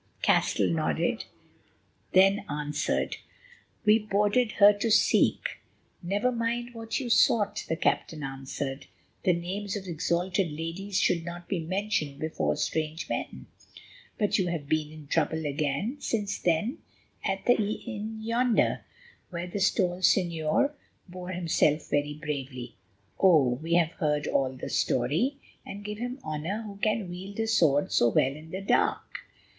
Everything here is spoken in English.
Castell nodded, then answered: "We boarded her to seek——" "Never mind what you sought," the captain answered; "the names of exalted ladies should not be mentioned before strange men. But you have been in trouble again since then, at the inn yonder, where this tall señor bore himself very bravely. Oh! we have heard all the story, and give him honour who can wield a sword so well in the dark."